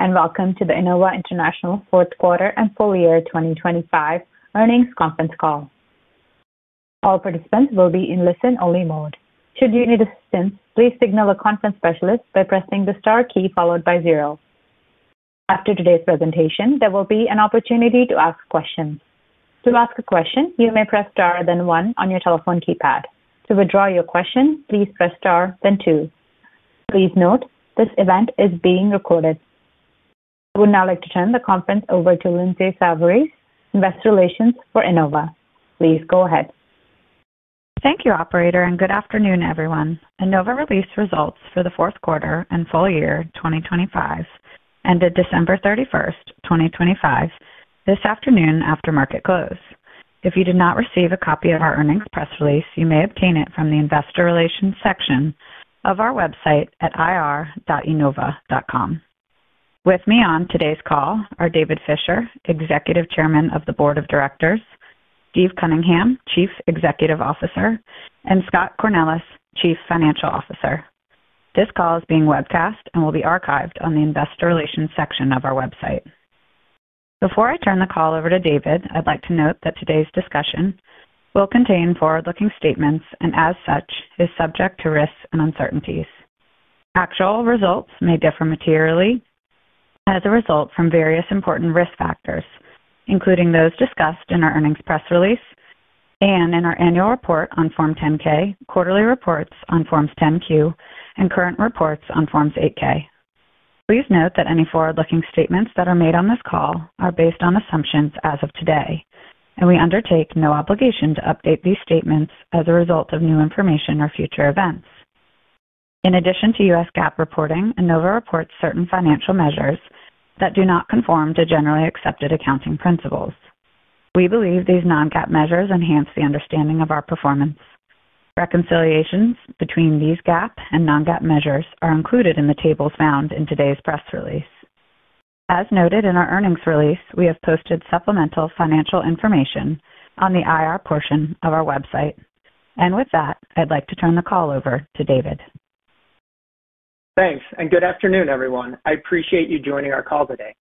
Welcome to the Enova International Fourth Quarter and Full Year 2025 Earnings Conference Call. All participants will be in listen-only mode. Should you need assistance, please signal a conference specialist by pressing the star key followed by zero. After today's presentation, there will be an opportunity to ask questions. To ask a question, you may press star then one on your telephone keypad. To withdraw your question, please press star then two. Please note, this event is being recorded. I would now like to turn the conference over to Lindsay Savarese, Investor Relations for Enova. Please go ahead. Thank you, operator, and good afternoon, everyone. Enova released results for the fourth quarter and full year 2025, ended December 31st, 2025, this afternoon after market close. If you did not receive a copy of our earnings press release, you may obtain it from the investor relations section of our website at ir.enova.com. With me on today's call are David Fisher, Executive Chairman of the Board of Directors, Steve Cunningham, Chief Executive Officer, and Scott Cornelis, Chief Financial Officer. This call is being webcast and will be archived on the investor relations section of our website. Before I turn the call over to David, I'd like to note that today's discussion will contain forward-looking statements and as such, is subject to risks and uncertainties. Actual results may differ materially as a result from various important risk factors, including those discussed in our earnings press release and in our annual report on Form 10-K, quarterly reports on Forms 10-Q, and current reports on Forms 8-K. Please note that any forward-looking statements that are made on this call are based on assumptions as of today, and we undertake no obligation to update these statements as a result of new information or future events. In addition to U.S. GAAP reporting, Enova reports certain financial measures that do not conform to generally accepted accounting principles. We believe these non-GAAP measures enhance the understanding of our performance. Reconciliations between these GAAP and non-GAAP measures are included in the tables found in today's press release. As noted in our earnings release, we have posted supplemental financial information on the IR portion of our website. With that, I'd like to turn the call over to David. Thanks, and good afternoon, everyone. I appreciate you joining our call today.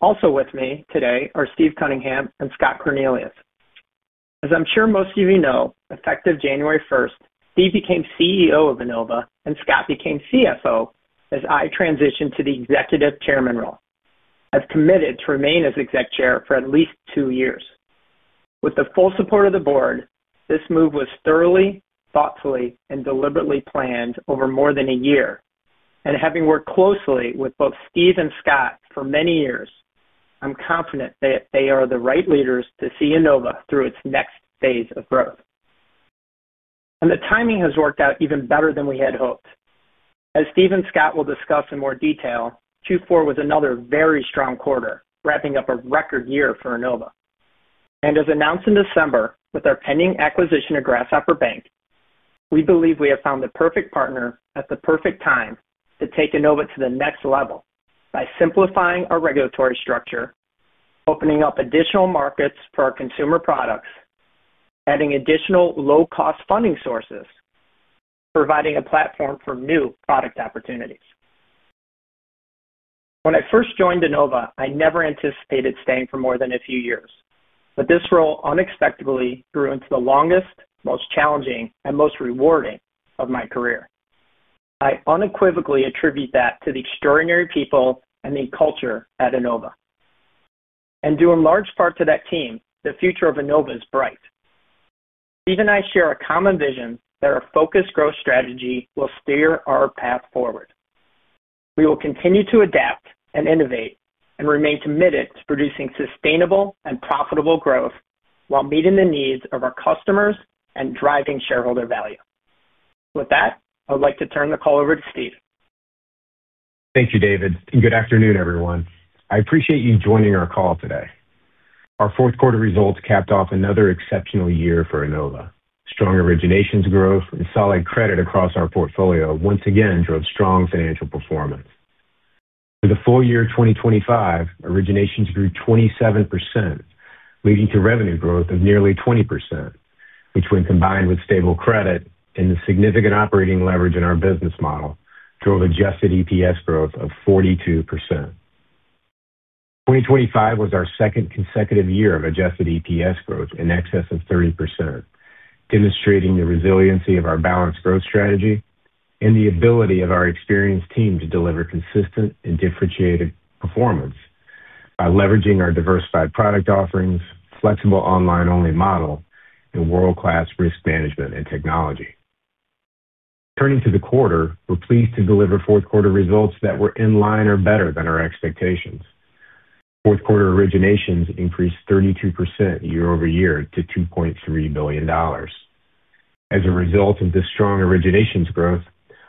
Also with me today are Steve Cunningham and Scott Cornelis. As I'm sure most of you know, effective January 1st, Steve became CEO of Enova and Scott became CFO as I transitioned to the Executive Chairman role. I've committed to remain as exec chair for at least two years. With the full support of the board, this move was thoroughly, thoughtfully, and deliberately planned over more than a year, and having worked closely with both Steve and Scott for many years, I'm confident that they are the right leaders to see Enova through its next phase of growth. The timing has worked out even better than we had hoped. As Steve and Scott will discuss in more detail, 2024 was another very strong quarter, wrapping up a record year for Enova. And as announced in December, with our pending acquisition of Grasshopper Bank, we believe we have found the perfect partner at the perfect time to take Enova to the next level by simplifying our regulatory structure, opening up additional markets for our consumer products, adding additional low-cost funding sources, providing a platform for new product opportunities. When I first joined Enova, I never anticipated staying for more than a few years, but this role unexpectedly grew into the longest, most challenging, and most rewarding of my career. I unequivocally attribute that to the extraordinary people and the culture at Enova. And due in large part to that team, the future of Enova is bright. Steve and I share a common vision that our focused growth strategy will steer our path forward. We will continue to adapt and innovate and remain committed to producing sustainable and profitable growth while meeting the needs of our customers and driving shareholder value. With that, I would like to turn the call over to Steve. Thank you, David, and good afternoon, everyone. I appreciate you joining our call today. Our fourth quarter results capped off another exceptional year for Enova. Strong originations growth and solid credit across our portfolio once again drove strong financial performance. For the full year of 2025, originations grew 27%, leading to revenue growth of nearly 20%, which, when combined with stable credit and the significant operating leverage in our business model, drove adjusted EPS growth of 42%. 2025 was our second consecutive year of adjusted EPS growth in excess of 30%, demonstrating the resiliency of our balanced growth strategy and the ability of our experienced team to deliver consistent and differentiated performance by leveraging our diversified product offerings, flexible online-only model, and world-class risk management and technology. Turning to the quarter, we're pleased to deliver fourth quarter results that were in line or better than our expectations. Fourth quarter originations increased 32% year-over-year to $2.3 billion. As a result of this strong originations growth,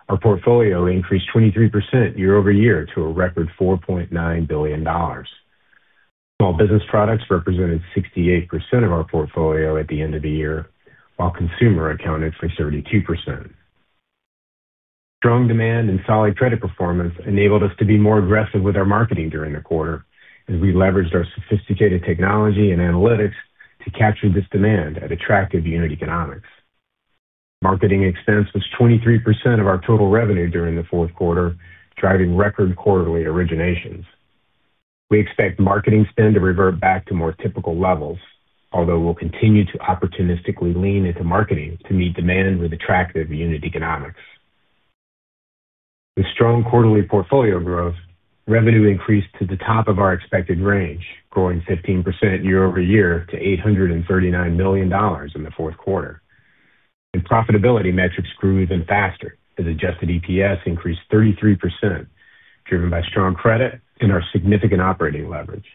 our portfolio increased 23% year-over-year to a record $4.9 billion. Small Business products represented 68% of our portfolio at the end of the year, while Consumer accounted for 32%. Strong demand and solid credit performance enabled us to be more aggressive with our marketing during the quarter, as we leveraged our sophisticated technology and analytics to capture this demand at attractive unit economics.... Marketing expense was 23% of our total revenue during the fourth quarter, driving record quarterly originations. We expect marketing spend to revert back to more typical levels, although we'll continue to opportunistically lean into marketing to meet demand with attractive unit economics. With strong quarterly portfolio growth, revenue increased to the top of our expected range, growing 15% year-over-year to $839 million in the fourth quarter, and profitability metrics grew even faster, as adjusted EPS increased 33%, driven by strong credit and our significant operating leverage.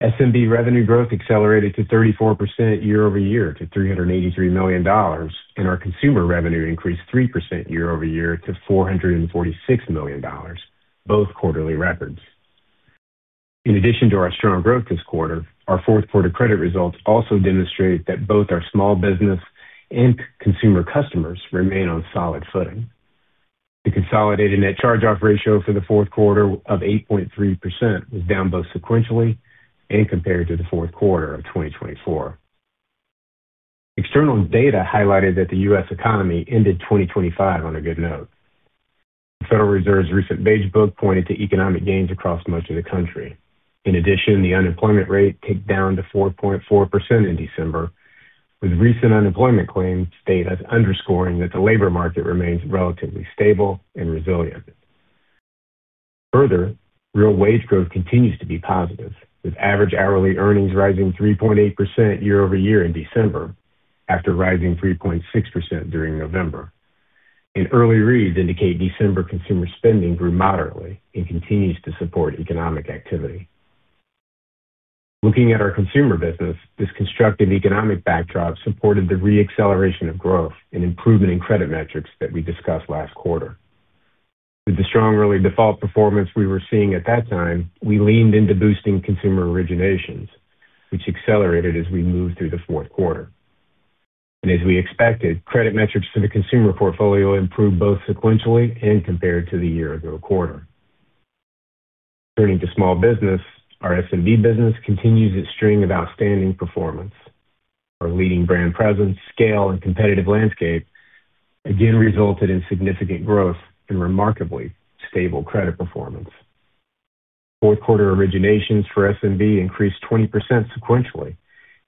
SMB revenue growth accelerated to 34% year-over-year to $383 million, and our Consumer revenue increased 3% year-over-year to $446 million, both quarterly records. In addition to our strong growth this quarter, our fourth quarter credit results also demonstrate that both our Small Business and Consumer customers remain on solid footing. The consolidated net charge-off ratio for the fourth quarter of 8.3% was down both sequentially and compared to the fourth quarter of 2024. External data highlighted that the U.S. economy ended 2025 on a good note. The Federal Reserve's recent Beige Book pointed to economic gains across much of the country. In addition, the unemployment rate ticked down to 4.4% in December, with recent unemployment claims data underscoring that the labor market remains relatively stable and resilient. Further, real wage growth continues to be positive, with average hourly earnings rising 3.8% year-over-year in December, after rising 3.6% during November, and early reads indicate December consumer spending grew moderately and continues to support economic activity. Looking at our Consumer business, this constructive economic backdrop supported the re-acceleration of growth and improvement in credit metrics that we discussed last quarter. With the strong early default performance we were seeing at that time, we leaned into boosting Consumer originations, which accelerated as we moved through the fourth quarter. As we expected, credit metrics for the Consumer portfolio improved both sequentially and compared to the year-ago quarter. Turning to Small Business, our SMB business continues its string of outstanding performance. Our leading brand presence, scale, and competitive landscape again resulted in significant growth and remarkably stable credit performance. Fourth quarter originations for SMB increased 20% sequentially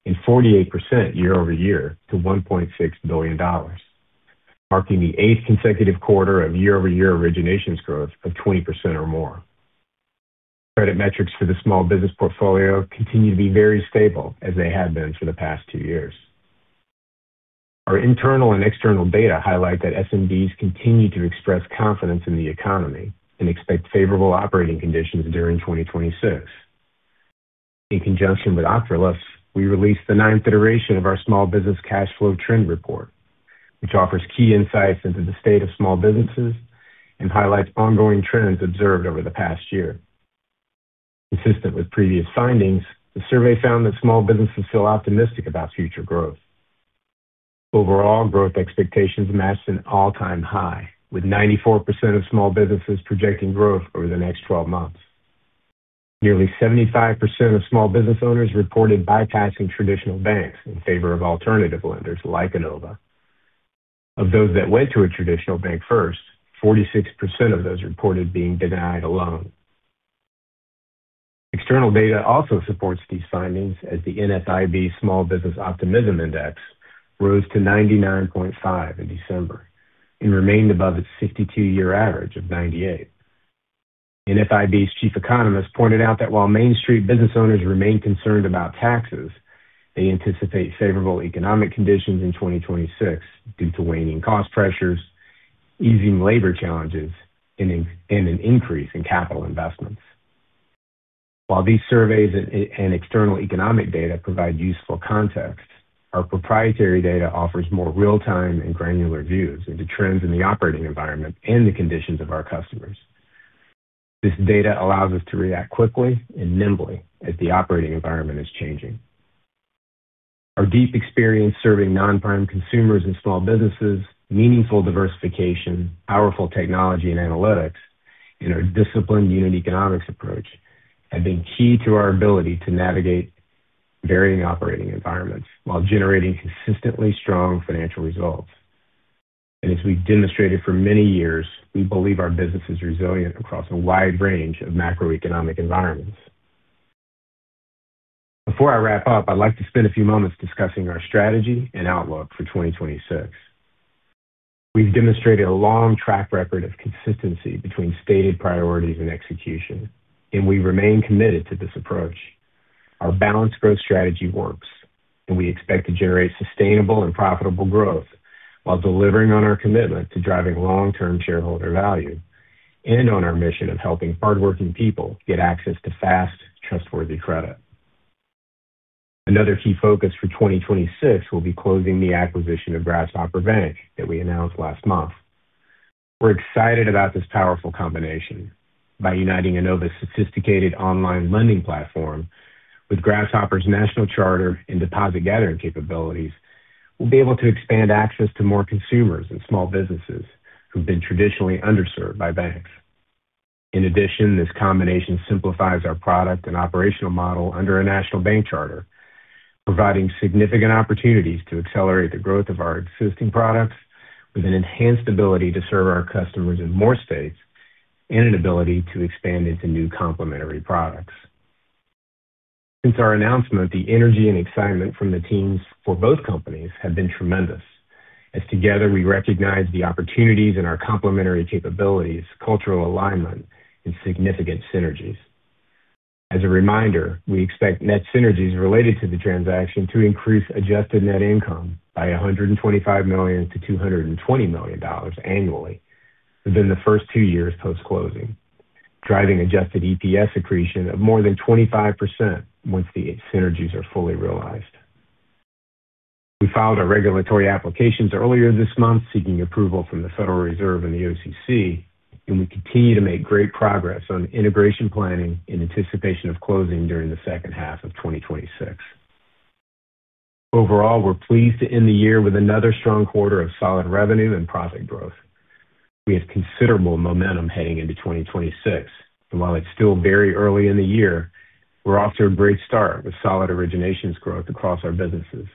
and 48% year-over-year to $1.6 billion, marking the eighth consecutive quarter of year-over-year originations growth of 20% or more. Credit metrics for the Small Business portfolio continue to be very stable, as they have been for the past two years. Our internal and external data highlight that SMBs continue to express confidence in the economy and expect favorable operating conditions during 2026. In conjunction with Ocrolus, we released the ninth iteration of our Small Business Cash Flow Trend Report, which offers key insights into the state of small businesses and highlights ongoing trends observed over the past year. Consistent with previous findings, the survey found that small businesses feel optimistic about future growth. Overall, growth expectations matched an all-time high, with 94% of small businesses projecting growth over the next 12 months. Nearly 75% of Small Business owners reported bypassing traditional banks in favor of alternative lenders like Enova. Of those that went to a traditional bank first, 46% of those reported being denied a loan. External data also supports these findings, as the NFIB Small Business Optimism Index rose to 99.5 in December and remained above its 62-year average of 98. NFIB's chief economist pointed out that while Main Street business owners remain concerned about taxes, they anticipate favorable economic conditions in 2026 due to waning cost pressures, easing labor challenges, and an increase in capital investments. While these surveys and external economic data provide useful context, our proprietary data offers more real-time and granular views into trends in the operating environment and the conditions of our customers. This data allows us to react quickly and nimbly as the operating environment is changing. Our deep experience serving non-prime consumers and small businesses, meaningful diversification, powerful technology and analytics, and our disciplined unit economics approach have been key to our ability to navigate varying operating environments while generating consistently strong financial results. As we've demonstrated for many years, we believe our business is resilient across a wide range of macroeconomic environments. Before I wrap up, I'd like to spend a few moments discussing our strategy and outlook for 2026. We've demonstrated a long track record of consistency between stated priorities and execution, and we remain committed to this approach. Our balanced growth strategy works, and we expect to generate sustainable and profitable growth while delivering on our commitment to driving long-term shareholder value and on our mission of helping hardworking people get access to fast, trustworthy credit. Another key focus for 2026 will be closing the acquisition of Grasshopper Bank that we announced last month. We're excited about this powerful combination. By uniting Enova's sophisticated online lending platform with Grasshopper's national charter and deposit-gathering capabilities, we'll be able to expand access to more consumers and small businesses who've been traditionally underserved by banks. In addition, this combination simplifies our product and operational model under a national bank charter, providing significant opportunities to accelerate the growth of our existing products with an enhanced ability to serve our customers in more states and an ability to expand into new complementary products. Since our announcement, the energy and excitement from the teams for both companies have been tremendous, as together we recognize the opportunities and our complementary capabilities, cultural alignment, and significant synergies. As a reminder, we expect net synergies related to the transaction to increase adjusted net income by $125 million-$220 million annually within the first two years post-closing, driving adjusted EPS accretion of more than 25% once the synergies are fully realized. We filed our regulatory applications earlier this month, seeking approval from the Federal Reserve and the OCC, and we continue to make great progress on integration planning in anticipation of closing during the second half of 2026. Overall, we're pleased to end the year with another strong quarter of solid revenue and profit growth. We have considerable momentum heading into 2026, and while it's still very early in the year, we're off to a great start with solid originations growth across our businesses.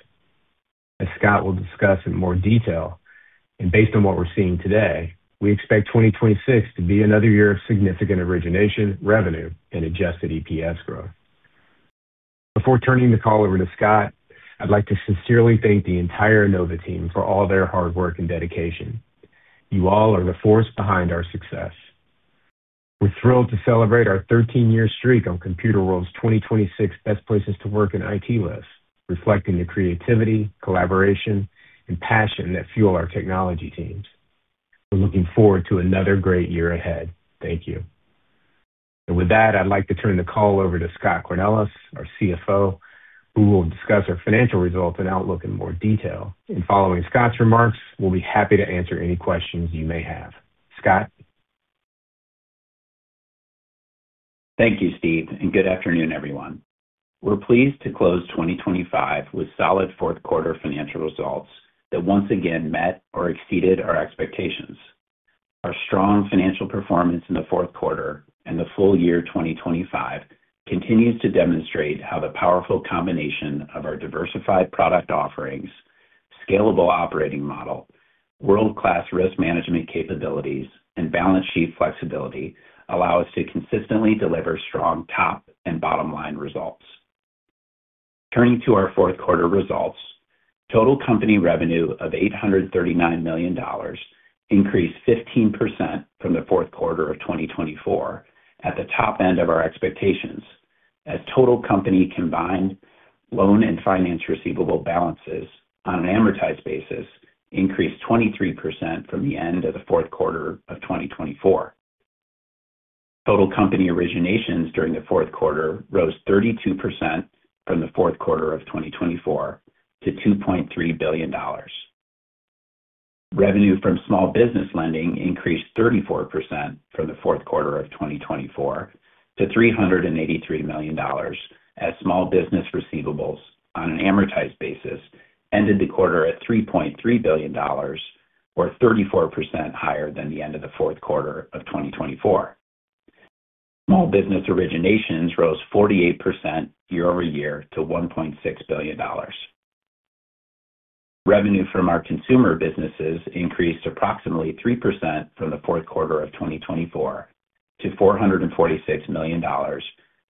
As Scott will discuss in more detail, and based on what we're seeing today, we expect 2026 to be another year of significant origination, revenue, and adjusted EPS growth. Before turning the call over to Scott, I'd like to sincerely thank the entire Enova team for all their hard work and dedication. You all are the force behind our success. We're thrilled to celebrate our thirteen-year streak on Computerworld's 2026 Best Places to Work in IT list, reflecting the creativity, collaboration, and passion that fuel our technology teams. We're looking forward to another great year ahead. Thank you. And with that, I'd like to turn the call over to Scott Cornelis, our CFO, who will discuss our financial results and outlook in more detail. And following Scott's remarks, we'll be happy to answer any questions you may have. Scott? Thank you, Steve, and good afternoon, everyone. We're pleased to close 2025 with solid fourth quarter financial results that once again met or exceeded our expectations. Our strong financial performance in the fourth quarter and the full year 2025 continues to demonstrate how the powerful combination of our diversified product offerings, scalable operating model, world-class risk management capabilities, and balance sheet flexibility allow us to consistently deliver strong top and bottom line results. Turning to our fourth quarter results, total company revenue of $839 million increased 15% from the fourth quarter of 2024, at the top end of our expectations, as total company combined loan and finance receivable balances on an amortized basis increased 23% from the end of the fourth quarter of 2024. Total company originations during the fourth quarter rose 32% from the fourth quarter of 2024 to $2.3 billion. Revenue from small business lending increased 34% from the fourth quarter of 2024 to $383 million, as Small Business receivables on an amortized basis ended the quarter at $3.3 billion, or 34% higher than the end of the fourth quarter of 2024. Small Business originations rose 48% year-over-year to $1.6 billion. Revenue from our Consumer businesses increased approximately 3% from the fourth quarter of 2024 to $446 million,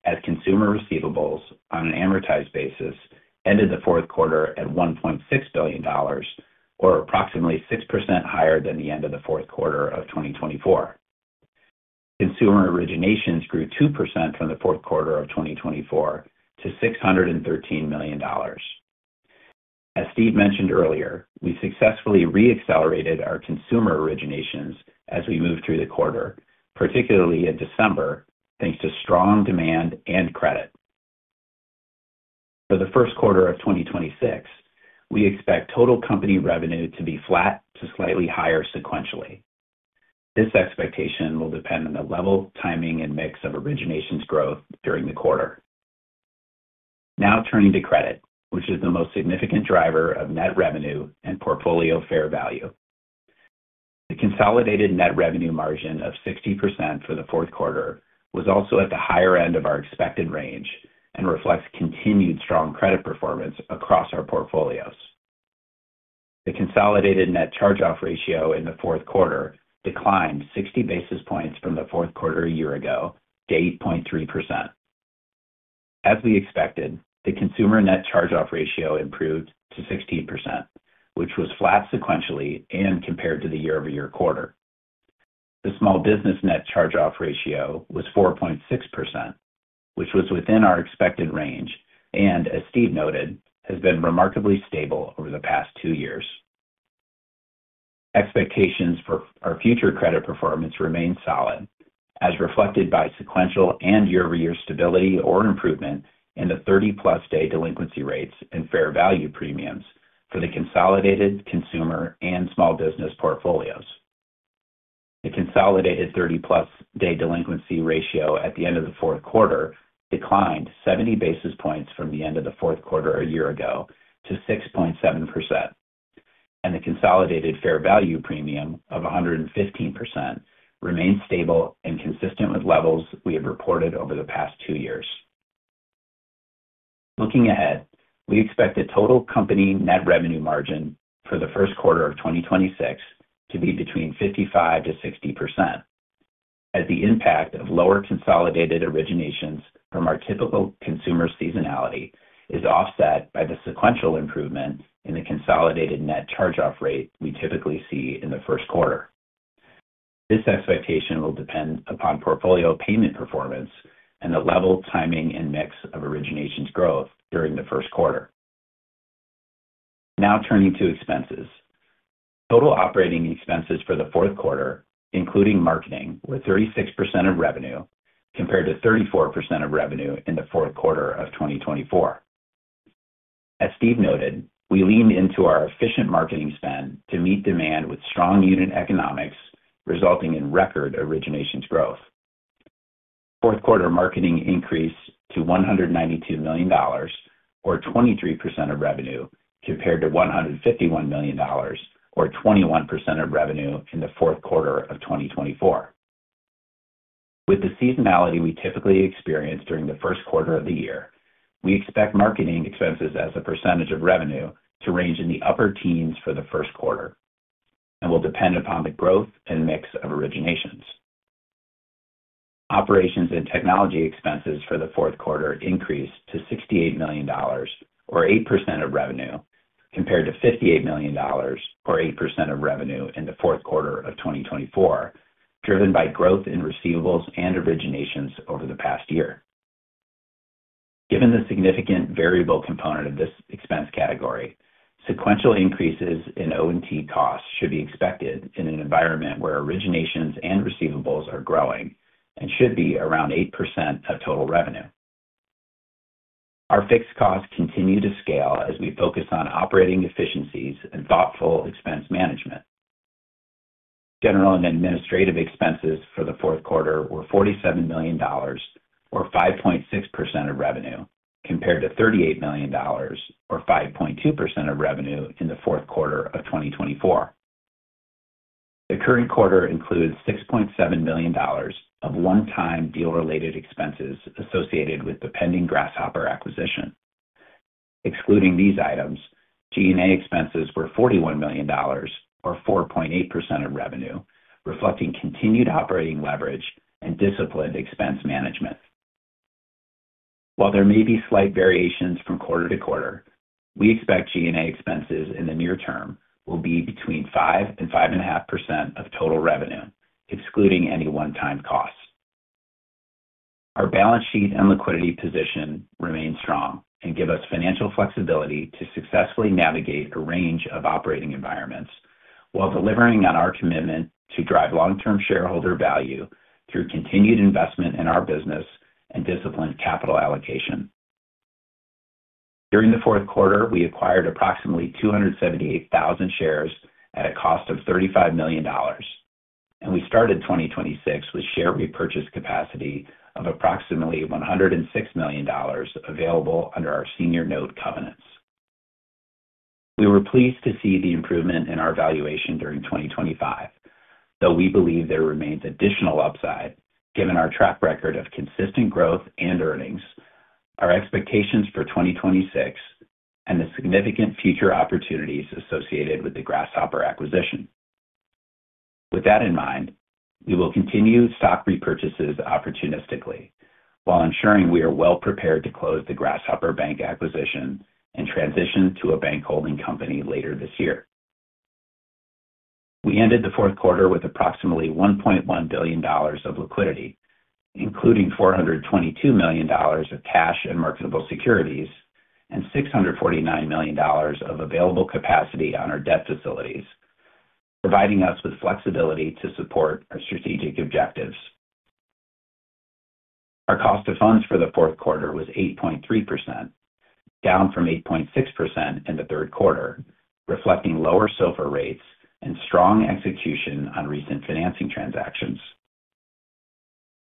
as Consumer receivables on an amortized basis ended the fourth quarter at $1.6 billion, or approximately 6% higher than the end of the fourth quarter of 2024. Consumer originations grew 2% from the fourth quarter of 2024 to $613 million. As Steve mentioned earlier, we successfully re-accelerated our Consumer originations as we moved through the quarter, particularly in December, thanks to strong demand and credit. For the first quarter of 2026, we expect total company revenue to be flat to slightly higher sequentially. This expectation will depend on the level, timing, and mix of originations growth during the quarter. Now turning to credit, which is the most significant driver of net revenue and portfolio fair value. The consolidated net revenue margin of 60% for the fourth quarter was also at the higher end of our expected range and reflects continued strong credit performance across our portfolios. The consolidated net charge-off ratio in the fourth quarter declined 60 basis points from the fourth quarter a year ago to 8.3%. As we expected, the Consumer net charge-off ratio improved to 16%, which was flat sequentially and compared to the year-over-year quarter. The Small Business net charge-off ratio was 4.6%, which was within our expected range, and, as Steve noted, has been remarkably stable over the past two years. Expectations for our future credit performance remain solid, as reflected by sequential and year-over-year stability or improvement in the 30+ day delinquency rates and fair value premiums for the consolidated Consumer and Small Business portfolios. The consolidated 30+ day delinquency ratio at the end of the fourth quarter declined 70 basis points from the end of the fourth quarter a year ago to 6.7%.... The consolidated fair value premium of 115% remains stable and consistent with levels we have reported over the past two years. Looking ahead, we expect the total company net revenue margin for the first quarter of 2026 to be between 55%-60%, as the impact of lower consolidated originations from our typical Consumer seasonality is offset by the sequential improvement in the consolidated net charge-off rate we typically see in the first quarter. This expectation will depend upon portfolio payment performance and the level, timing, and mix of originations growth during the first quarter. Now turning to expenses. Total operating expenses for the fourth quarter, including marketing, were 36% of revenue, compared to 34% of revenue in the fourth quarter of 2024. As Steve noted, we leaned into our efficient marketing spend to meet demand with strong unit economics, resulting in record originations growth. Fourth quarter marketing increased to $192 million, or 23% of revenue, compared to $151 million, or 21% of revenue, in the fourth quarter of 2024. With the seasonality we typically experience during the first quarter of the year, we expect marketing expenses as a percentage of revenue to range in the upper teens for the first quarter, and will depend upon the growth and mix of originations. Operations and technology expenses for the fourth quarter increased to $68 million, or 8% of revenue, compared to $58 million, or 8% of revenue, in the fourth quarter of 2024, driven by growth in receivables and originations over the past year. Given the significant variable component of this expense category, sequential increases in O&T costs should be expected in an environment where originations and receivables are growing and should be around 8% of total revenue. Our fixed costs continue to scale as we focus on operating efficiencies and thoughtful expense management. General and administrative expenses for the fourth quarter were $47 million, or 5.6% of revenue, compared to $38 million, or 5.2% of revenue, in the fourth quarter of 2024. The current quarter includes $6.7 million of one-time deal-related expenses associated with the pending Grasshopper acquisition. Excluding these items, G&A expenses were $41 million, or 4.8% of revenue, reflecting continued operating leverage and disciplined expense management. While there may be slight variations from quarter to quarter, we expect G&A expenses in the near term will be between 5%-5.5% of total revenue, excluding any one-time costs. Our balance sheet and liquidity position remain strong and give us financial flexibility to successfully navigate a range of operating environments, while delivering on our commitment to drive long-term shareholder value through continued investment in our business and disciplined capital allocation. During the fourth quarter, we acquired approximately 278,000 shares at a cost of $35 million, and we started 2026 with share repurchase capacity of approximately $106 million available under our senior note covenants. We were pleased to see the improvement in our valuation during 2025, though we believe there remains additional upside given our track record of consistent growth and earnings, our expectations for 2026, and the significant future opportunities associated with the Grasshopper acquisition. With that in mind, we will continue stock repurchases opportunistically while ensuring we are well prepared to close the Grasshopper Bank acquisition and transition to a bank holding company later this year. We ended the fourth quarter with approximately $1.1 billion of liquidity, including $422 million of cash and marketable securities, and $649 million of available capacity on our debt facilities, providing us with flexibility to support our strategic objectives. Our cost of funds for the fourth quarter was 8.3%, down from 8.6% in the third quarter, reflecting lower SOFR rates and strong execution on recent financing transactions.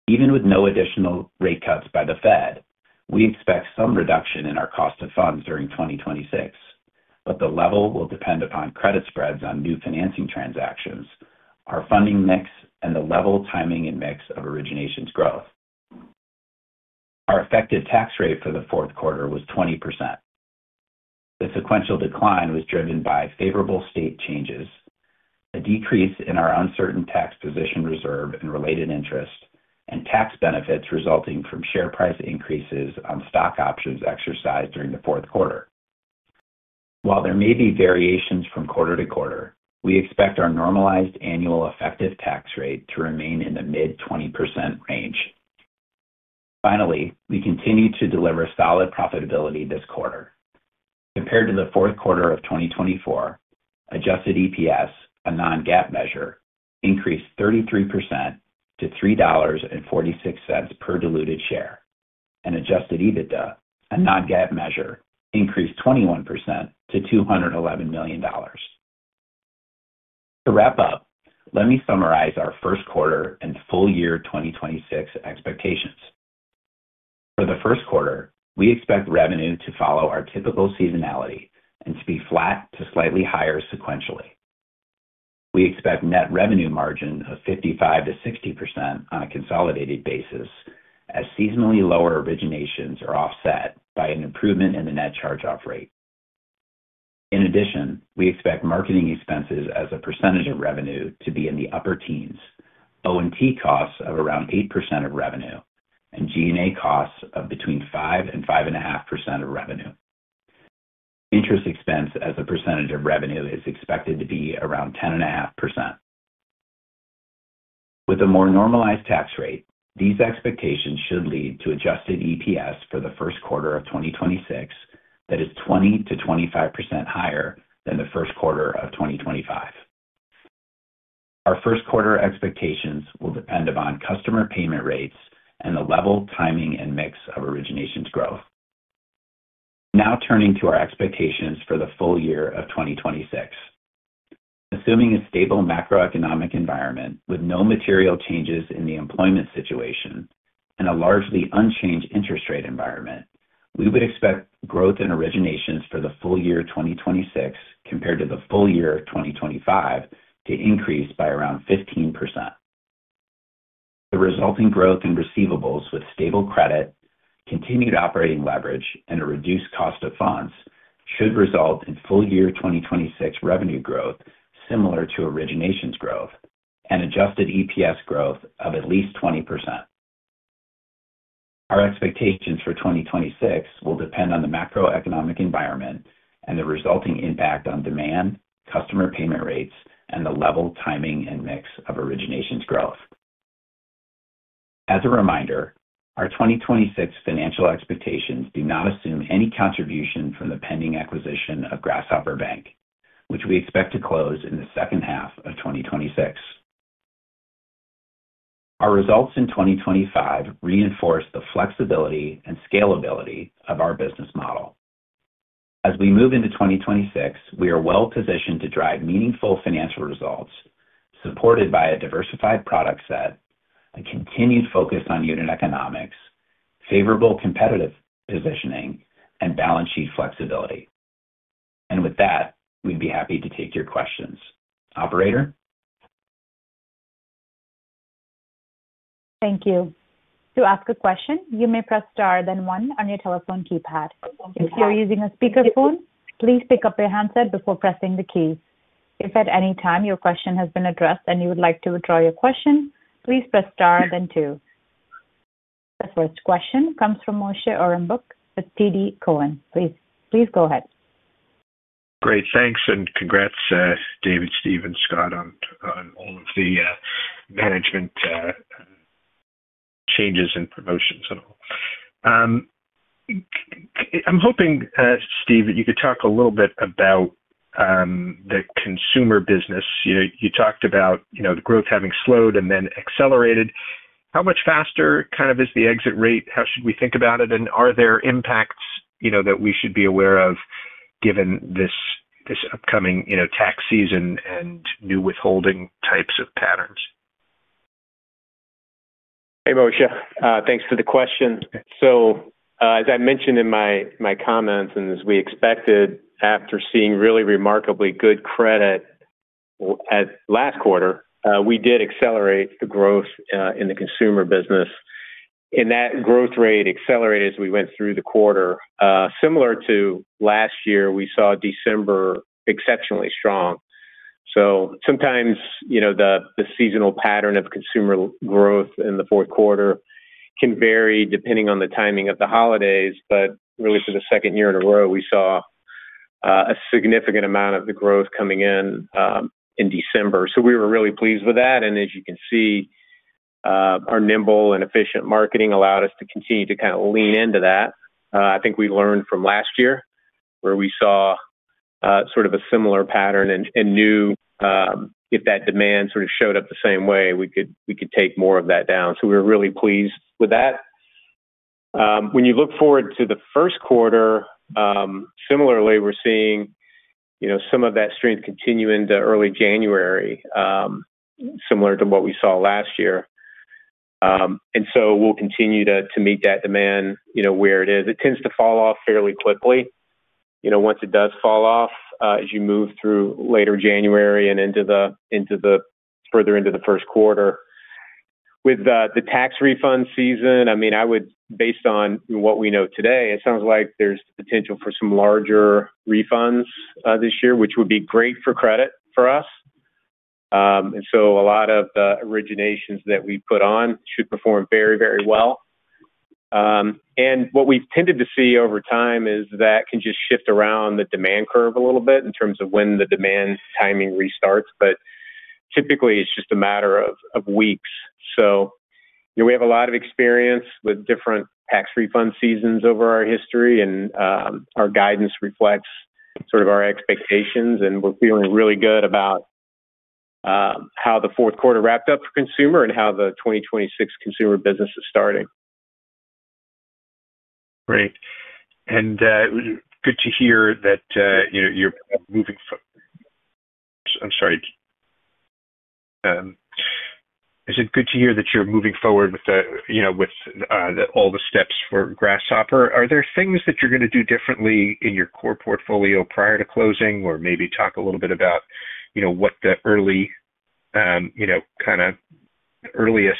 Even with no additional rate cuts by the Fed, we expect some reduction in our cost of funds during 2026, but the level will depend upon credit spreads on new financing transactions, our funding mix, and the level, timing, and mix of originations growth. Our effective tax rate for the fourth quarter was 20%. The sequential decline was driven by favorable state changes, a decrease in our uncertain tax position reserve and related interest, and tax benefits resulting from share price increases on stock options exercised during the fourth quarter. While there may be variations from quarter to quarter, we expect our normalized annual effective tax rate to remain in the mid-20% range. Finally, we continue to deliver solid profitability this quarter. Compared to the fourth quarter of 2024, adjusted EPS, a non-GAAP measure, increased 33% to $3.46 per diluted share, and adjusted EBITDA, a non-GAAP measure, increased 21% to $211 million. To wrap up, let me summarize our first quarter and full year 2026 expectations. For the first quarter, we expect revenue to follow our typical seasonality and to be flat to slightly higher sequentially. We expect net revenue margin of 55%-60% on a consolidated basis, as seasonally lower originations are offset by an improvement in the net charge-off rate. In addition, we expect marketing expenses as a percentage of revenue to be in the upper teens, O&T costs of around 8% of revenue, and G&A costs of between 5% and 5.5% of revenue. Interest expense as a percentage of revenue is expected to be around 10.5%. With a more normalized tax rate, these expectations should lead to adjusted EPS for the first quarter of 2026 that is 20%-25% higher than the first quarter of 2025. Our first quarter expectations will depend upon customer payment rates and the level, timing, and mix of originations growth. Now turning to our expectations for the full year of 2026. Assuming a stable macroeconomic environment with no material changes in the employment situation and a largely unchanged interest rate environment, we would expect growth in originations for the full year 2026, compared to the full year of 2025, to increase by around 15%. The resulting growth in receivables with stable credit, continued operating leverage, and a reduced cost of funds should result in full year 2026 revenue growth similar to originations growth and adjusted EPS growth of at least 20%. Our expectations for 2026 will depend on the macroeconomic environment and the resulting impact on demand, customer payment rates, and the level, timing, and mix of originations growth. As a reminder, our 2026 financial expectations do not assume any contribution from the pending acquisition of Grasshopper Bank, which we expect to close in the second half of 2026. Our results in 2025 reinforce the flexibility and scalability of our business model. As we move into 2026, we are well positioned to drive meaningful financial results, supported by a diversified product set, a continued focus on unit economics, favorable competitive positioning, and balance sheet flexibility. With that, we'd be happy to take your questions. Operator? Thank you. To ask a question, you may press star, then one on your telephone keypad. If you're using a speakerphone, please pick up your handset before pressing the key. If at any time your question has been addressed and you would like to withdraw your question, please press star then two. The first question comes from Moshe Orenbuch with TD Cowen. Please, please go ahead. Great, thanks, and congrats, David, Steve, and Scott, on all of the management changes and promotions and all. I'm hoping, Steve, that you could talk a little bit about the Consumer business. You know, you talked about, you know, the growth having slowed and then accelerated. How much faster kind of is the exit rate? How should we think about it? And are there impacts, you know, that we should be aware of, given this upcoming tax season and new withholding types of patterns? Hey, Moshe, thanks for the question. So, as I mentioned in my comments, and as we expected, after seeing really remarkably good credit at last quarter, we did accelerate the growth in the Consumer business. And that growth rate accelerated as we went through the quarter. Similar to last year, we saw December exceptionally strong. So sometimes, you know, the seasonal pattern of Consumer growth in the fourth quarter can vary depending on the timing of the holidays, but really, for the second year in a row, we saw a significant amount of the growth coming in in December. So we were really pleased with that. And as you can see, our nimble and efficient marketing allowed us to continue to kind of lean into that. I think we learned from last year, where we saw sort of a similar pattern and knew if that demand sort of showed up the same way, we could take more of that down. So we're really pleased with that. When you look forward to the first quarter, similarly, we're seeing, you know, some of that strength continue into early January, similar to what we saw last year. And so we'll continue to meet that demand, you know, where it is. It tends to fall off fairly quickly. You know, once it does fall off, as you move through later January and further into the first quarter. With the tax refund season, I mean, I would, based on what we know today, it sounds like there's potential for some larger refunds this year, which would be great for credit for us. And so a lot of the originations that we put on should perform very, very well. And what we've tended to see over time is that can just shift around the demand curve a little bit in terms of when the demand timing restarts, but typically it's just a matter of weeks. So we have a lot of experience with different tax refund seasons over our history, and our guidance reflects sort of our expectations, and we're feeling really good about how the fourth quarter wrapped up for Consumer and how the 2026 Consumer business is starting. Great. And, is it good to hear that, you know, you're moving forward with the, you know, with, the, all the steps for Grasshopper? Are there things that you're going to do differently in your core portfolio prior to closing? Or maybe talk a little bit about, you know, what the early, you know, kind of earliest,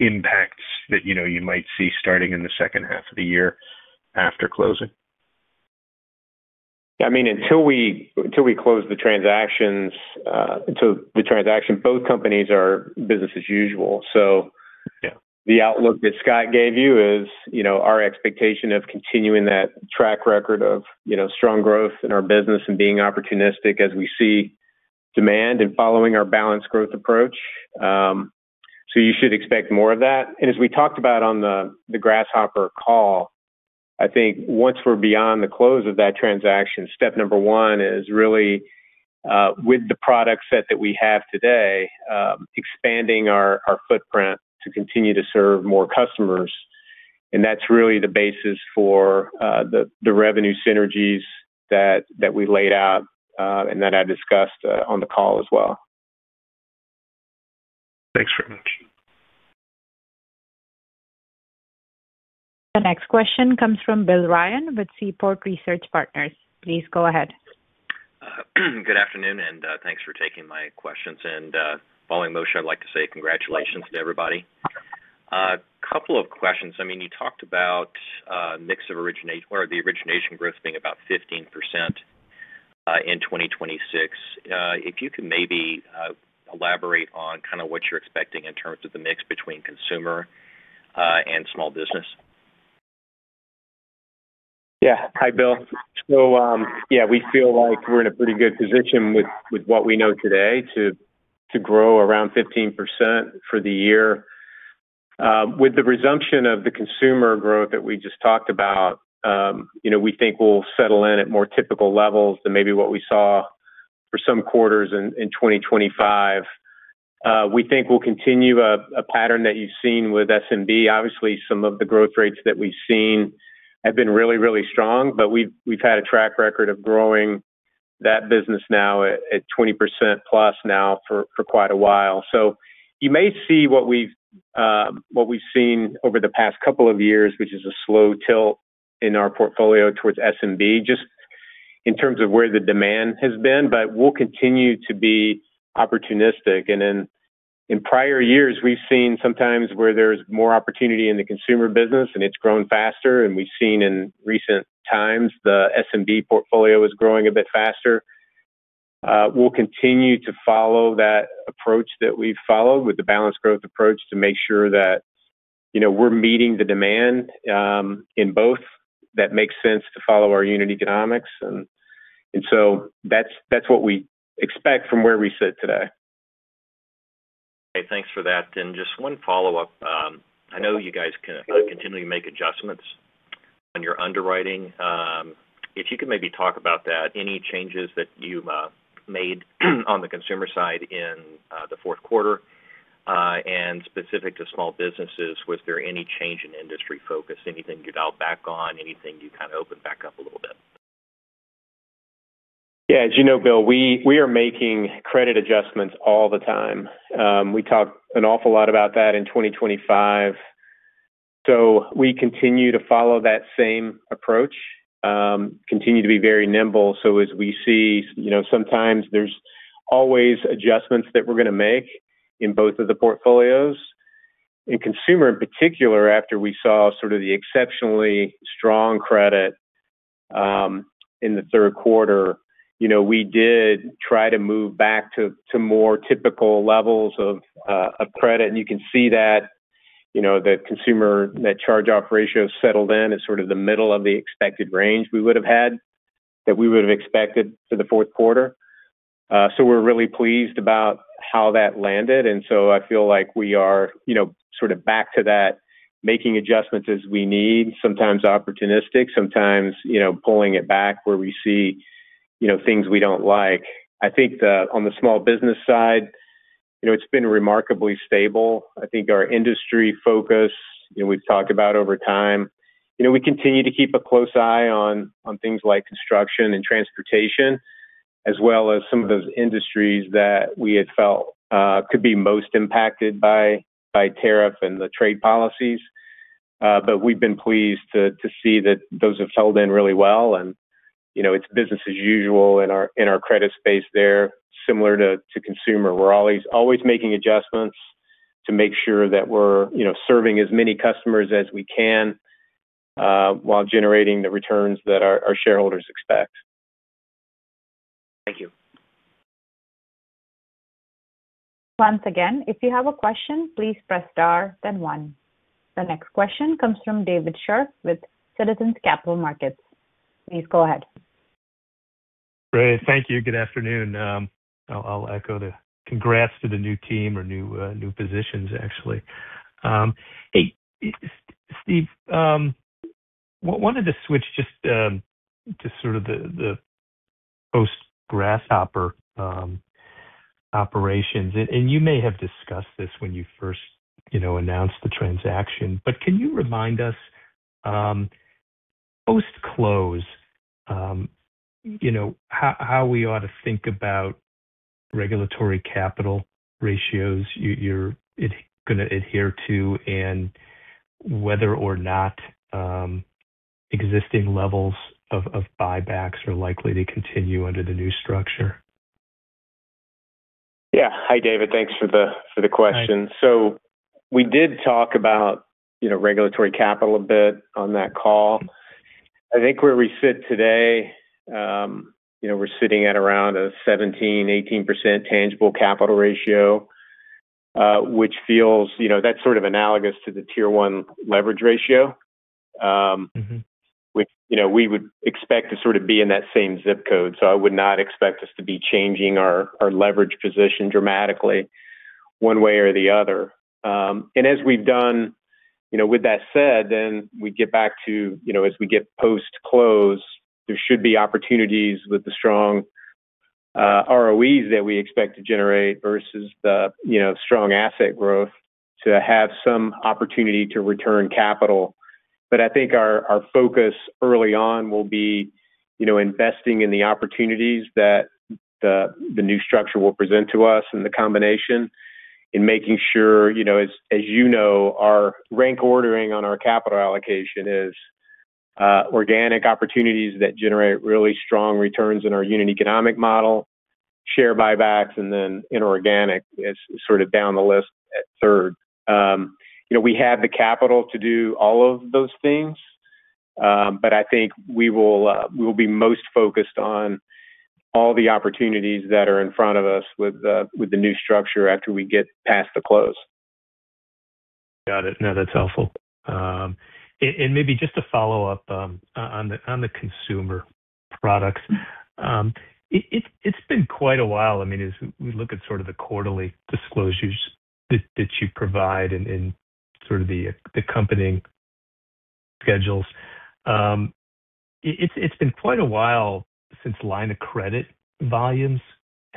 impacts that, you know, you might see starting in the second half of the year after closing. I mean, until we, until we close the transactions, so the transaction, both companies are business as usual. So- Yeah. The outlook that Scott gave you is, you know, our expectation of continuing that track record of, you know, strong growth in our business and being opportunistic as we see demand and following our balanced growth approach. So you should expect more of that. And as we talked about on the Grasshopper call, I think once we're beyond the close of that transaction, step number one is really with the product set that we have today, expanding our footprint to continue to serve more customers. And that's really the basis for the revenue synergies that we laid out and that I discussed on the call as well. Thanks very much. The next question comes from Bill Ryan with Seaport Research Partners. Please go ahead. Good afternoon, and thanks for taking my questions. And, following Moshe, I'd like to say congratulations to everybody. A couple of questions. I mean, you talked about mix of originate- or the origination growth being about 15% in 2026. If you could maybe elaborate on kind of what you're expecting in terms of the mix between Consumer and Small Business. Yeah. Hi, Bill. So, yeah, we feel like we're in a pretty good position with what we know today to grow around 15% for the year. With the resumption of the Consumer growth that we just talked about, you know, we think we'll settle in at more typical levels than maybe what we saw for some quarters in 2025. We think we'll continue a pattern that you've seen with SMB. Obviously, some of the growth rates that we've seen have been really, really strong, but we've had a track record of growing that business now at 20%+ now for quite a while. So you may see what we've, what we've seen over the past couple of years, which is a slow tilt in our portfolio towards SMB, just in terms of where the demand has been, but we'll continue to be opportunistic. And in, in prior years, we've seen some times where there's more opportunity in the Consumer business, and it's grown faster, and we've seen in recent times the SMB portfolio is growing a bit faster. We'll continue to follow that approach that we've followed with the balanced growth approach to make sure that, you know, we're meeting the demand in both. That makes sense to follow our unit economics. And, and so that's, that's what we expect from where we sit today. Okay, thanks for that. Then just one follow-up. I know you guys kind of continually make adjustments on your underwriting. If you could maybe talk about that, any changes that you've made, on the Consumer side in the fourth quarter? And specific to small businesses, was there any change in industry focus? Anything you dial back on? Anything you kind of opened back up a little bit? Yeah, as you know, Bill, we are making credit adjustments all the time. We talked an awful lot about that in 2025. So we continue to follow that same approach, continue to be very nimble. So as we see, you know, sometimes there's always adjustments that we're going to make in both of the portfolios. In Consumer, in particular, after we saw sort of the exceptionally strong credit in the third quarter, you know, we did try to move back to more typical levels of credit. And you can see that, you know, the Consumer net charge-off ratio settled in at sort of the middle of the expected range we would have had, that we would have expected for the fourth quarter. So we're really pleased about how that landed, and so I feel like we are, you know, sort of back to that, making adjustments as we need, sometimes opportunistic, sometimes, you know, pulling it back where we see, you know, things we don't like. I think, on the Small Business side, you know, it's been remarkably stable. I think our industry focus, you know, we've talked about over time. You know, we continue to keep a close eye on things like construction and transportation, as well as some of those industries that we had felt could be most impacted by tariff and the trade policies. But we've been pleased to see that those have held in really well, and, you know, it's business as usual in our credit space there, similar to Consumer. We're always, always making adjustments to make sure that we're, you know, serving as many customers as we can, while generating the returns that our, our shareholders expect. Thank you. Once again, if you have a question, please press star then one. The next question comes from David Scharf with Citizens Capital Markets. Please go ahead. Great. Thank you. Good afternoon. I'll echo the congrats to the new team or new positions, actually. Hey, Steve, wanted to switch just to sort of the post Grasshopper operations. And you may have discussed this when you first, you know, announced the transaction. But can you remind us post-close, you know, how we ought to think about regulatory capital ratios you're going to adhere to and whether or not existing levels of buybacks are likely to continue under the new structure? Yeah. Hi, David. Thanks for the, for the question. Hi. So we did talk about, you know, regulatory capital a bit on that call. I think where we sit today, you know, we're sitting at around a 17%-18% Tangible Capital Ratio, which feels, you know, that's sort of analogous to the Tier 1 Leverage Ratio. Mm-hmm. which, you know, we would expect to sort of be in that same zip code. So I would not expect us to be changing our, our leverage position dramatically one way or the other. And as we've done, you know, with that said, then we get back to, you know, as we get post-close, there should be opportunities with the strong ROEs that we expect to generate versus the, you know, strong asset growth to have some opportunity to return capital. But I think our focus early on will be, you know, investing in the opportunities that the new structure will present to us and the combination in making sure, you know, as you know, our rank ordering on our capital allocation is organic opportunities that generate really strong returns in our unit economic model, share buybacks, and then inorganic is sort of down the list at third. You know, we have the capital to do all of those things, but I think we will be most focused on all the opportunities that are in front of us with the new structure after we get past the close. Got it. No, that's helpful. And maybe just to follow up on the consumer products. It's been quite a while. I mean, as we look at sort of the quarterly disclosures that you provide and sort of the accompanying schedules, it's been quite a while since line of credit volumes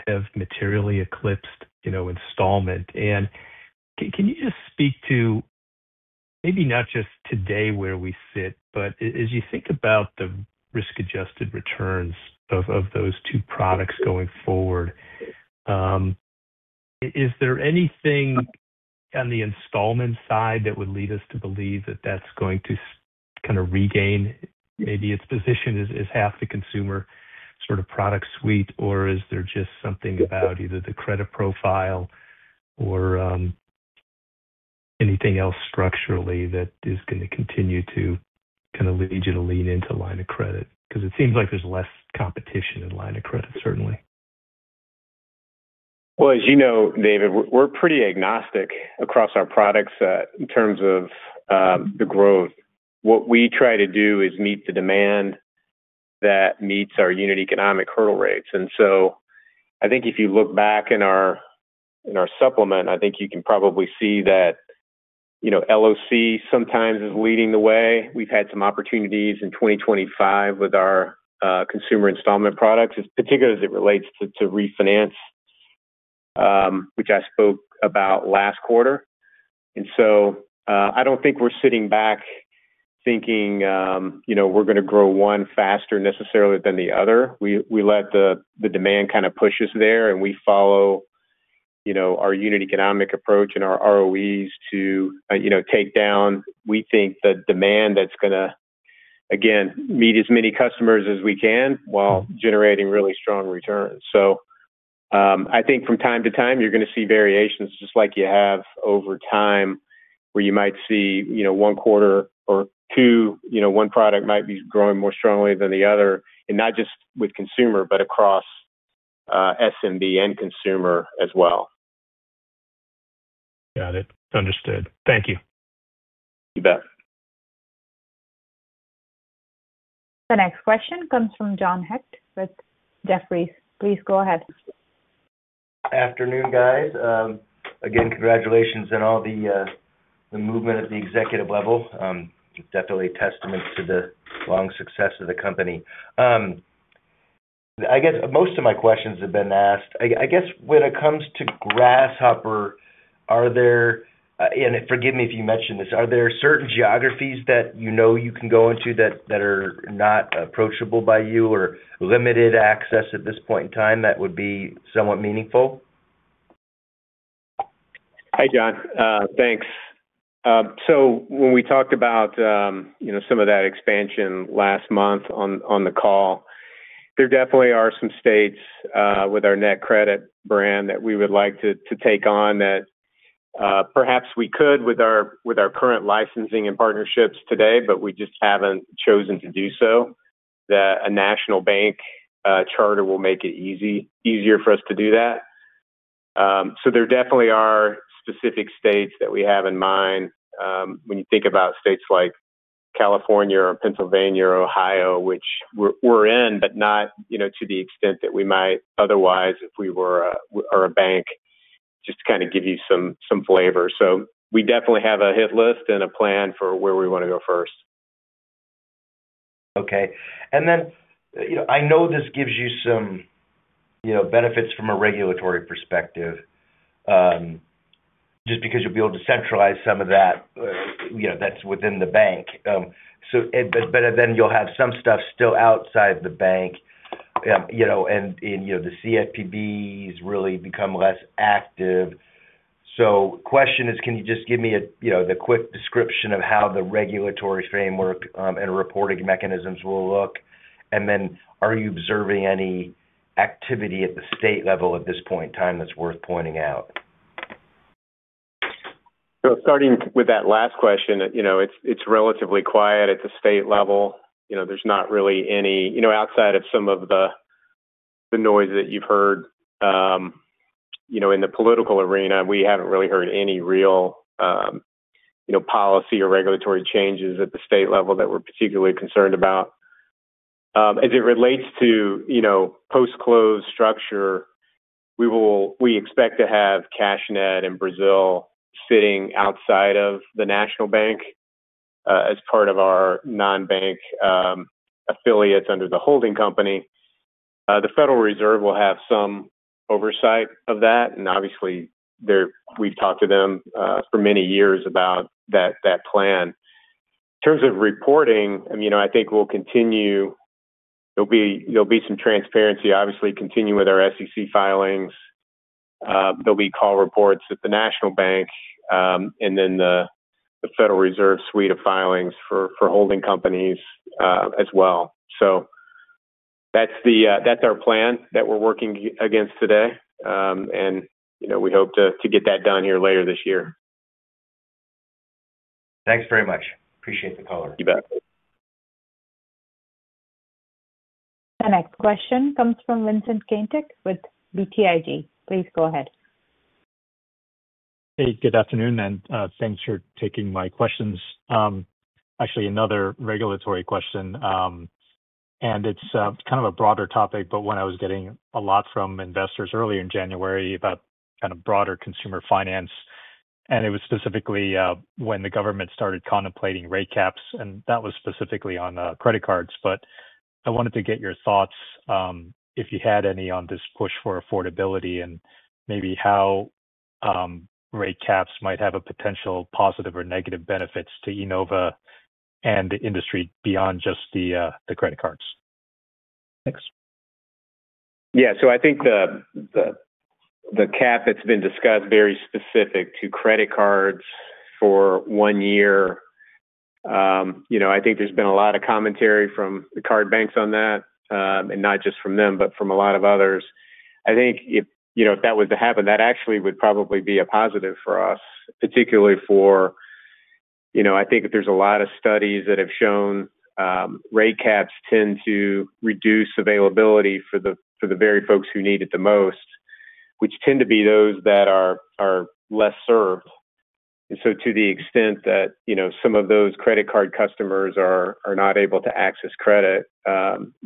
have materially eclipsed, you know, installment. And can you just speak to maybe not just today where we sit, but as you think about the risk-adjusted returns of those two products going forward, is there anything on the installment side that would lead us to believe that that's going to kind of regain maybe its position as half the Consumer sort of product suite? Or is there just something about either the credit profile or anything else structurally that is going to continue to kind of lead you to lean into line of credit? Because it seems like there's less competition in line of credit, certainly. Well, as you know, David, we're pretty agnostic across our products in terms of the growth. What we try to do is meet the demand that meets our unit economic hurdle rates. And so I think if you look back in our supplement, I think you can probably see that, you know, LOC sometimes is leading the way. We've had some opportunities in 2025 with our consumer installment products, particularly as it relates to refinance, which I spoke about last quarter. And so, I don't think we're sitting back thinking, you know, we're going to grow one faster necessarily than the other. We let the demand kind of push us there, and we follow, you know, our unit economic approach and our ROEs to, you know, take down. We think the demand that's going to, again, meet as many customers as we can while generating really strong returns. So, I think from time to time, you're going to see variations, just like you have over time, where you might see, you know, one quarter or two, you know, one product might be growing more strongly than the other, and not just with Consumer, but across, SMB and Consumer as well. Got it. Understood. Thank you. You bet. The next question comes from John Hecht with Jefferies. Please go ahead. Afternoon, guys. Again, congratulations on all the movement at the executive level. Definitely testament to the long success of the company. I guess most of my questions have been asked. I guess when it comes to Grasshopper, are there... and forgive me if you mentioned this, are there certain geographies that you know you can go into that are not approachable by you or limited access at this point in time, that would be somewhat meaningful? Hi, John. Thanks. So when we talked about, you know, some of that expansion last month on, on the call, there definitely are some states, with our NetCredit brand that we would like to, to take on, that, perhaps we could with our, with our current licensing and partnerships today, but we just haven't chosen to do so. That a national bank charter will make it easier for us to do that. So there definitely are specific states that we have in mind. When you think about states like California or Pennsylvania or Ohio, which we're, we're in, but not, you know, to the extent that we might otherwise if we were a, are a bank, just to kind of give you some, some flavor. We definitely have a hit list and a plan for where we want to go first. Okay. And then, you know, I know this gives you some, you know, benefits from a regulatory perspective. Just because you'll be able to centralize some of that, you know, that's within the bank. So, but, but then you'll have some stuff still outside the bank. You know, and, and, you know, the CFPB has really become less active. So question is, can you just give me a, you know, the quick description of how the regulatory framework, and reporting mechanisms will look? And then are you observing any activity at the state level at this point in time that's worth pointing out? So starting with that last question, you know, it's relatively quiet at the state level. You know, there's not really any, you know, outside of some of the noise that you've heard, you know, in the political arena, we haven't really heard any real, you know, policy or regulatory changes at the state level that we're particularly concerned about. As it relates to, you know, post-close structure, we expect to have CashNet and Brazil sitting outside of the national bank, as part of our non-bank affiliates under the holding company. The Federal Reserve will have some oversight of that, and obviously, we've talked to them, for many years about that plan. In terms of reporting, I mean, I think we'll continue... There'll be some transparency, obviously, continue with our SEC filings, the weekly call reports at the national bank, and then the Federal Reserve suite of filings for holding companies, as well. So that's our plan that we're working against today. And, you know, we hope to get that done here later this year. Thanks very much. Appreciate the call. You bet. The next question comes from Vincent Caintic with BTIG. Please go ahead. Hey, good afternoon, and thanks for taking my questions. Actually another regulatory question, and it's kind of a broader topic, but one I was getting a lot from investors early in January about kind of broader consumer finance. And it was specifically when the government started contemplating rate caps, and that was specifically on credit cards. But I wanted to get your thoughts, if you had any, on this push for affordability and maybe how rate caps might have a potential positive or negative benefits to Enova and the industry beyond just the credit cards. Thanks. Yeah. So I think the cap that's been discussed very specific to credit cards for one year. You know, I think there's been a lot of commentary from the card banks on that, and not just from them, but from a lot of others. I think if, you know, if that was to happen, that actually would probably be a positive for us, particularly for, you know, I think that there's a lot of studies that have shown, rate caps tend to reduce availability for the very folks who need it the most, which tend to be those that are less served. And so to the extent that, you know, some of those credit card customers are not able to access credit,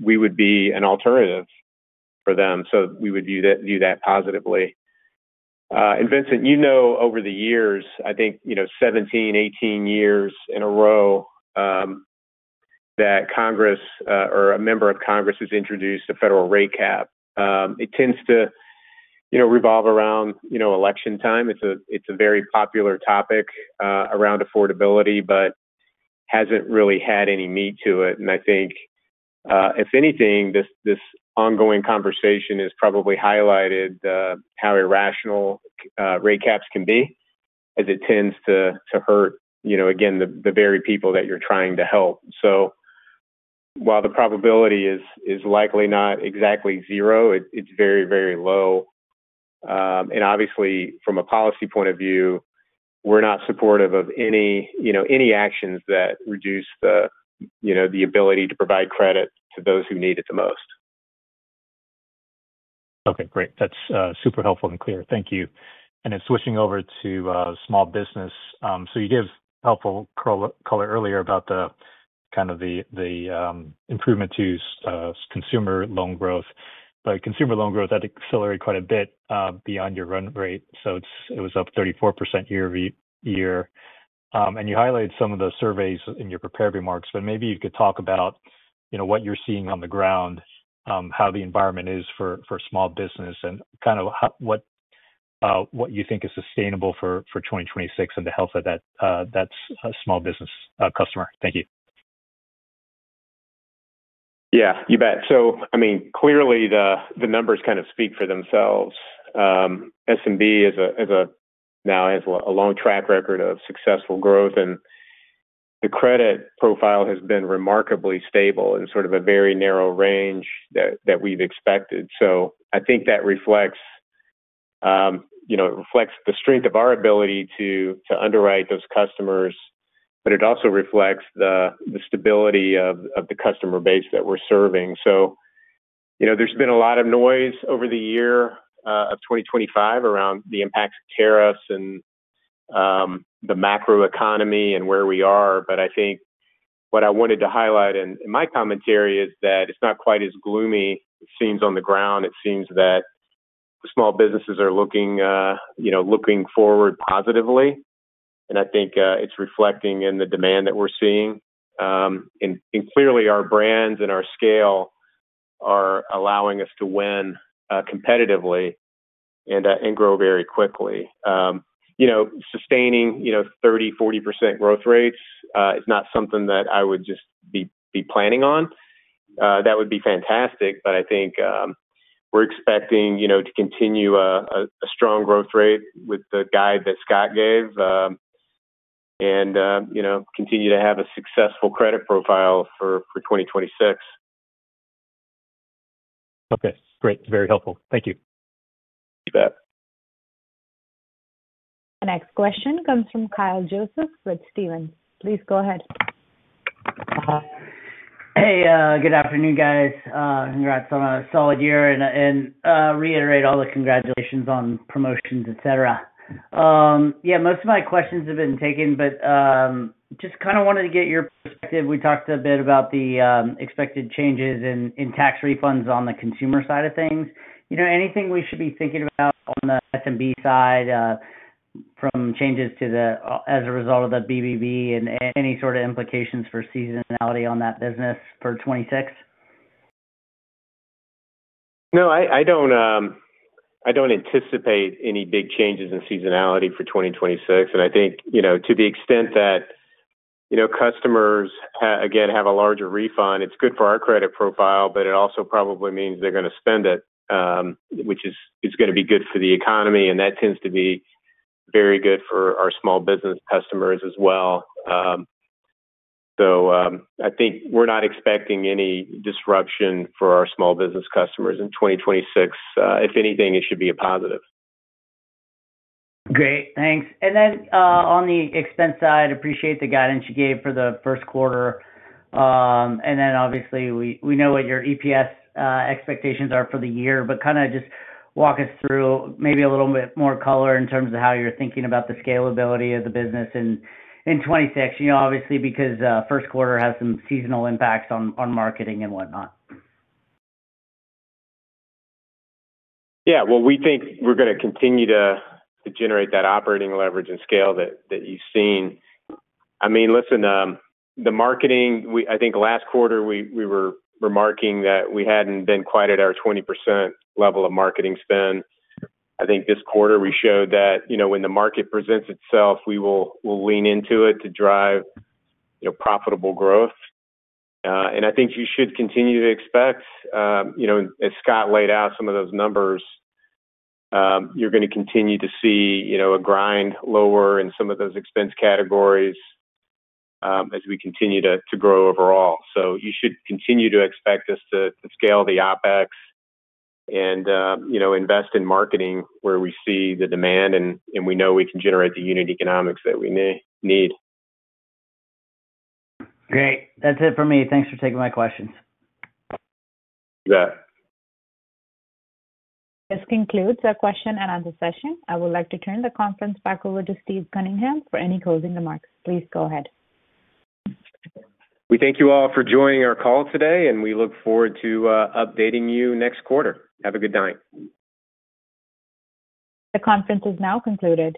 we would be an alternative for them, so we would view that positively. And Vincent, you know, over the years, I think, you know, 17, 18 years in a row, that Congress, or a member of Congress has introduced a federal rate cap. It tends to, you know, revolve around, you know, election time. It's a, it's a very popular topic, around affordability, but hasn't really had any meat to it. And I think, if anything, this, this ongoing conversation has probably highlighted, how irrational, rate caps can be, as it tends to, to hurt, you know, again, the, the very people that you're trying to help. So while the probability is, is likely not exactly zero, it, it's very, very low. Obviously, from a policy point of view, we're not supportive of any, you know, any actions that reduce the, you know, the ability to provide credit to those who need it the most. Okay, great. That's super helpful and clear. Thank you. And then switching over to Small Business. So you gave helpful color earlier about the kind of the improvement to Consumer loan growth. But Consumer loan growth had accelerated quite a bit beyond your run rate, so it was up 34% year-over-year. And you highlighted some of the surveys in your prepared remarks, but maybe you could talk about, you know, what you're seeing on the ground, how the environment is for Small Business and kind of how what you think is sustainable for 2026 and the health of that Small Business customer. Thank you. Yeah, you bet. So I mean, clearly the numbers kind of speak for themselves. SMB now has a long track record of successful growth, and the credit profile has been remarkably stable in sort of a very narrow range that we've expected. So I think that reflects, you know, it reflects the strength of our ability to underwrite those customers, but it also reflects the stability of the customer base that we're serving. So, you know, there's been a lot of noise over the year of 2025 around the impact of tariffs and the macroeconomy and where we are. But I think what I wanted to highlight in my commentary is that it's not quite as gloomy it seems on the ground. It seems that small businesses are looking, you know, looking forward positively, and I think, it's reflecting in the demand that we're seeing. And clearly our brands and our scale are allowing us to win, competitively and grow very quickly. You know, sustaining, you know, 30%-40% growth rates, is not something that I would just be planning on. That would be fantastic, but I think, we're expecting, you know, to continue, a strong growth rate with the guide that Scott gave, and, you know, continue to have a successful credit profile for, 2026. Okay, great. Very helpful. Thank you. You bet. The next question comes from Kyle Joseph with Stephens. Please go ahead. Hey, good afternoon, guys. Congrats on a solid year and, and, reiterate all the congratulations on promotions, et cetera. Yeah, most of my questions have been taken, but, just kind of wanted to get your perspective. We talked a bit about the expected changes in tax refunds on the Consumer side of things. You know, anything we should be thinking about on the SMB side, from changes as a result of the BBB and any sort of implications for seasonality on that business for 2026? No, I don't anticipate any big changes in seasonality for 2026. I think, you know, to the extent that, you know, customers again have a larger refund, it's good for our credit profile, but it also probably means they're going to spend it, which is going to be good for the economy, and that tends to be very good for our Small Business customers as well. So, I think we're not expecting any disruption for our Small Business customers in 2026. If anything, it should be a positive. Great. Thanks. And then, on the expense side, appreciate the guidance you gave for the first quarter. Obviously, we know what your EPS expectations are for the year, but kind of just walk us through maybe a little bit more color in terms of how you're thinking about the scalability of the business in 2026. You know, obviously, because first quarter has some seasonal impacts on marketing and whatnot. Yeah. Well, we think we're going to continue to generate that operating leverage and scale that you've seen. I mean, listen, the marketing, we - I think last quarter, we were remarking that we hadn't been quite at our 20% level of marketing spend. I think this quarter we showed that, you know, when the market presents itself, we will, we'll lean into it to drive, you know, profitable growth. And I think you should continue to expect, you know, as Scott laid out some of those numbers, you're going to continue to see, you know, a grind lower in some of those expense categories, as we continue to grow overall. So you should continue to expect us to scale the OpEx and, you know, invest in marketing where we see the demand and we know we can generate the unit economics that we need. Great. That's it for me. Thanks for taking my questions. You bet. This concludes our question and answer session. I would like to turn the conference back over to Steve Cunningham for any closing remarks. Please go ahead. We thank you all for joining our call today, and we look forward to updating you next quarter. Have a good night. The conference is now concluded.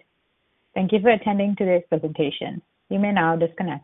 Thank you for attending today's presentation. You may now disconnect.